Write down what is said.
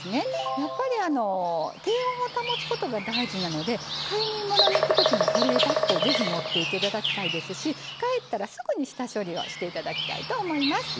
やっぱり低温を保つことが大事なので買い物に行く時も保冷バッグを是非持っていって頂きたいですし帰ったらすぐに下処理をして頂きたいと思います。